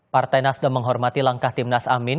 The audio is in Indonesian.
partai nasda menghormati langkah tim nasamin